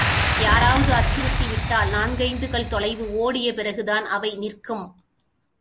யாராவது அச்சுறுத்திவிட்டால், நான்கைந்து கல் தொலைவு ஓடிய பிறகுதான் அவை நிற்கும்.